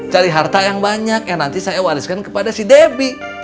cari harta yang banyak yang nanti saya wariskan kepada si debbie